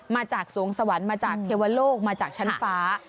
มาจากสวงสวรรค์มาจากเทวโลกมาจากชั้นฟ้า